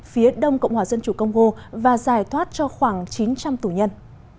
phía đông cộng hòa dân chủ công hồ và giải thoát cho khoảng chín trăm linh tù nhân